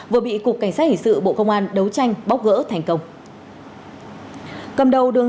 vừa bị cục cảnh sát hình sự bộ công an đấu tranh bóc gỡ thành công